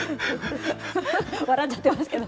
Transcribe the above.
笑っちゃってますけども。